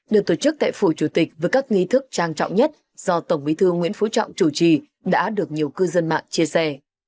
được tổ chức tại phủ chủ tịch với các nghi thức trang trọng nhất do tổng bí thư nguyễn phú trọng chủ trì đã được nhiều cư dân mạng chia sẻ